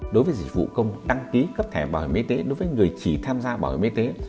đối với dịch vụ công đăng ký cấp thẻ bảo hiểm y tế đối với người chỉ tham gia bảo hiểm y tế